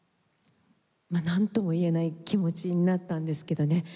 なんとも言えない気持ちになったんですけどね。